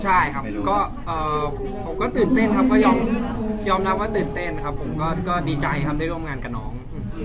ใช่ครับก็ผมก็ตื่นเต้นครับก็ยอมรับว่าตื่นเต้นครับผมก็ดีใจครับได้ร่วมงานกับน้อง